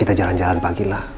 kita jalan jalan pagilah